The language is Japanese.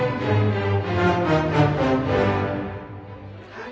はい。